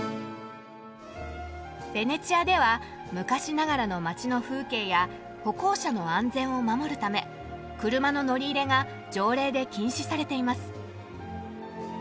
ベネチアでは昔ながらの街の風景や歩行者の安全を守るため車の乗り入れが条例で禁止されています。